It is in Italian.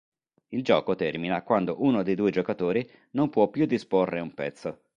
Il gioco termina quando uno dei due giocatori non può più disporre un pezzo.